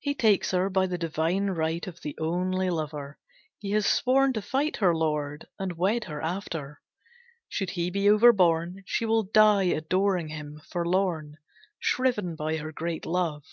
He takes her by the divine right of the only lover. He has sworn to fight her lord, and wed her after. Should he be overborne, she will die adoring him, forlorn, shriven by her great love.